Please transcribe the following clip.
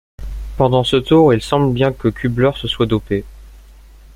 Pendant ce Tour, il semble bien que Kübler se soit dopé.